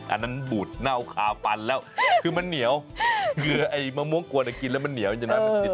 อันนั้นบูดเน่าคาฟันแล้วคือมันเหนียวเหงื่อไอ้มะม่วงกวนกินแล้วมันเหนียวใช่ไหมมันกิน